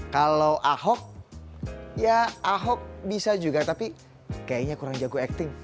kalau ahok ya ahok bisa juga tapi kayaknya kurang jago acting